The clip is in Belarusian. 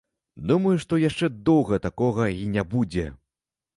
Думаю, што яшчэ доўга такога і не будзе.